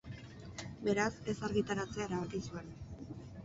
Beraz, ez argitaratzea erabaki zuen.